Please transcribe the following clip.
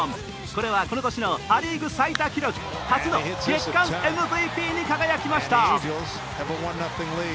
これはこの年のア・リーグ最多記録初の月間ＭＶＰに輝きました。